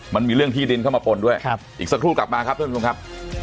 มันมีเรื่องที่ดินเข้ามาปนด้วยครับอีกสักครู่กลับมาครับท่านผู้ชมครับ